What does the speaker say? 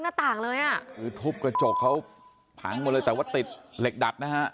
หน้าต่างเลยอ่ะคือทุบกระจกเขาพังหมดเลยแต่ว่าติดเหล็กดัดนะฮะ